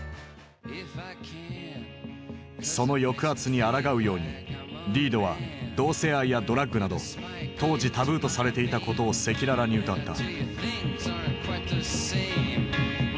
その抑圧にあらがうようにリードは同性愛やドラッグなど当時タブーとされていたことを赤裸々に歌った。